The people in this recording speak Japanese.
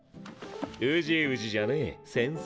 ウジウジじゃねぇ繊細。